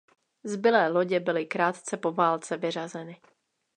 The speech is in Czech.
Zbylé lodě byly krátce po válce vyřazeny.